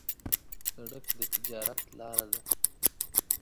سړک د تجارت لاره ده.